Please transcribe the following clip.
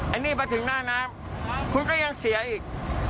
อันนี้มาถึงหน้าน้ำคุณก็ยังเสียอีก